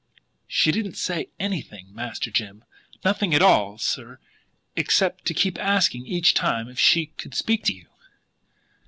"She didn't say anything, Master Jim. Nothing at all, sir except to keep asking each time if she could speak to you."